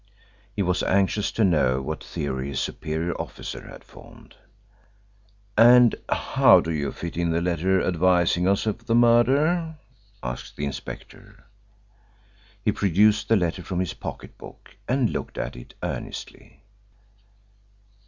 He was anxious to know what theory his superior officer had formed. "And how do you fit in the letter advising us of the murder?" asked the inspector. He produced the letter from his pocket book and looked at it earnestly.